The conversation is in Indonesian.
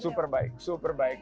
super baik super baik